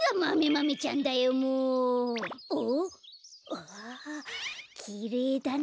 わあきれいだな。